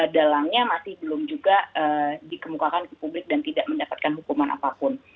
dalangnya masih belum juga dikemukakan ke publik dan tidak mendapatkan hukuman apapun